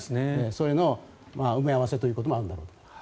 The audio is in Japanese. それの埋め合わせということもあるんだろうと。